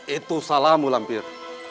itu salahmu lampir